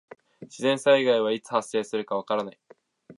自然災害はいつ発生するかわからない。